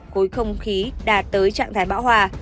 cối không khí đạt tới trạng thái bão hòa